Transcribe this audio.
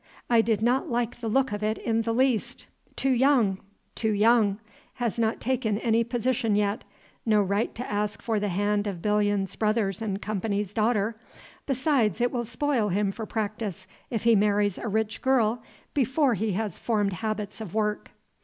I did not like the look of it in the least. Too young, too young. Has not taken any position yet. No right to ask for the hand of Bilyuns Brothers & Co.'s daughter. Besides, it will spoil him for practice, if he marries a rich girl before he has formed habits of work.